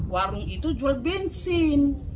warung itu jual bensin